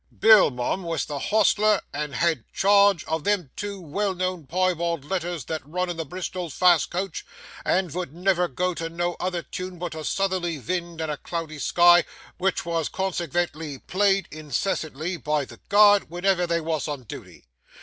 Bill, mum, wos the hostler as had charge o' them two vell known piebald leaders that run in the Bristol fast coach, and vould never go to no other tune but a sutherly vind and a cloudy sky, which wos consekvently played incessant, by the guard, wenever they wos on duty.